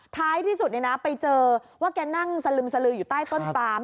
ท้ายที่สุดไปเจอว่าแกนั่งสลึมสลืออยู่ใต้ต้นปลาม